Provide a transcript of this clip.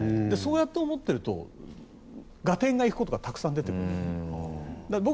そうやって思っていると合点がいくことがたくさん出てくるのね。